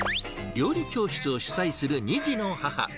料理教室を主催する２児の母。